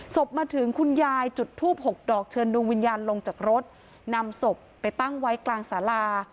ศพมาถึงคุณยายจุดทูบหกดอกเชิญดวงวิญญาณลงจากรถนำศพไปตั้งไว้กลางสารา